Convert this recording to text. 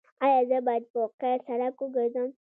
ایا زه باید په قیر سړک وګرځم؟